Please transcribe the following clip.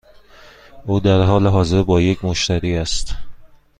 او در حال حاضر با یک مشتری است.